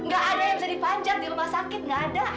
gak ada yang bisa dipanjat di rumah sakit nggak ada